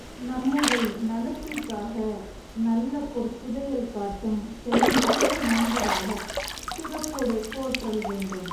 நம்முடை நலத்திற் காக நல்லபொற் புதையல் காட்டும் செம்மைசேர் நண்ப ராகச் சிறப்பொடு போற்றல் வேண்டும்.